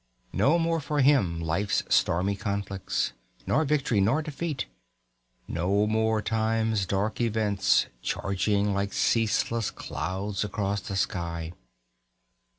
No more for him life's stormy conflicts, Nor victory, nor defeat no more time's dark events, Charging like ceaseless clouds across the sky.